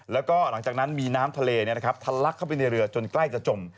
แล้วก็หลังจากนั้นมีน้ำทะเลทะลักเข้าไปในเรือจนใกล้จะจม